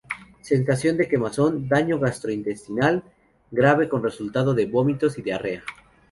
Sensación de quemazón, daño gastrointestinal grave con resultado de vómitos y diarrea.